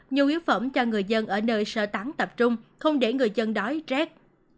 nhu yếu phẩm cho người dân ở nơi sơ tán tập trung không để người dân đói rét